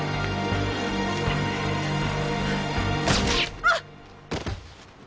あっ！